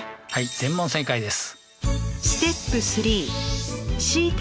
全問正解です。